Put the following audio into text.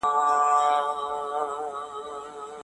زه به سبا د سبا لپاره د نوټونو ليکل وکړم.